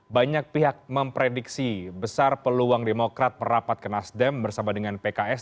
banyak pihak memprediksi besar peluang demokrat merapat ke nasdem bersama dengan pks